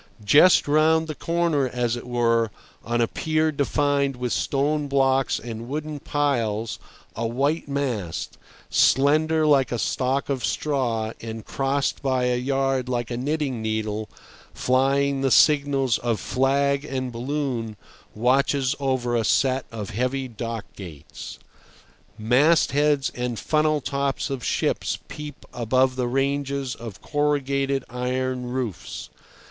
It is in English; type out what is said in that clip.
Just round the corner, as it were, on a pier defined with stone blocks and wooden piles, a white mast, slender like a stalk of straw and crossed by a yard like a knitting needle, flying the signals of flag and balloon, watches over a set of heavy dock gates. Mast heads and funnel tops of ships peep above the ranges of corrugated iron roofs.